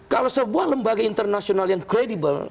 kalau sebuah lembaga internasional yang kredibel